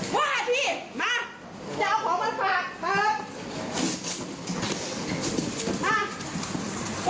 ว่าพี่มาจะเอาของมาฝากครับ